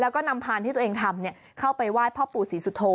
แล้วก็นำพานที่ตัวเองทำเข้าไปไหว้พ่อปู่ศรีสุโธ